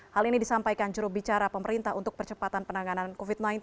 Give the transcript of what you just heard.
hal ini disampaikan jurubicara pemerintah untuk percepatan penanganan covid sembilan belas